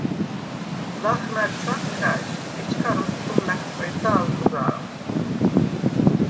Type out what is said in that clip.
ლახ მა̈გ ჩვაფხა̈ჟ, ეჩქა როსტომ ლა̈ხჭვედდა ალ ზურა̄ლს: